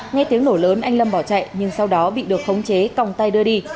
nghe tiếng nổ lớn anh lâm bỏ chạy nhưng sau đó bị được khống chế còng tay đưa đi